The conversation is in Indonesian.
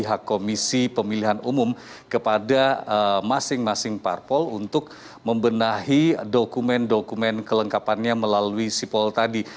pihak komisi pemilihan umum kepada masing masing parpol untuk membenahi dokumen dokumen kelengkapannya melalui sipol tadi